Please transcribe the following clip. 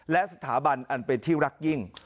และสถาบันอันเป็นที่รักยิ่ง